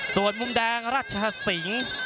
ส่วนมุมแดงรัชสิงศ์